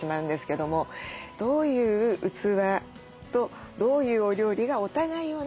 どういう器とどういうお料理がお互いをね